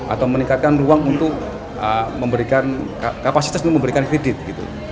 atau meningkatkan ruang untuk memberikan kapasitas untuk memberikan kredit gitu